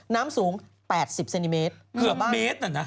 น้ำสูง๘๐เซนติเมตรเกือบเมตรน่ะนะ